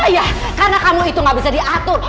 ayah karena kamu itu nggak bisa diatur